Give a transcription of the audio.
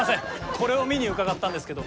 これを見に伺ったんですけど。